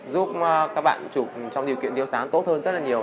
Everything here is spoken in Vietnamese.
giúp các bạn chụp trong điều kiện điêu sáng tốt hơn rất là nhiều